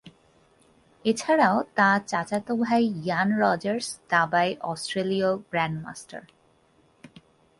এছাড়াও তা চাচাতো ভাই ইয়ান রজার্স দাবায় অস্ট্রেলীয় গ্র্যান্ডমাস্টার।